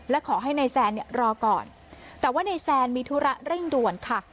และขอให้นายแซนเนี่ยรอก่อนแต่ว่านายแซนมีธุระเร่งด่วนค่ะ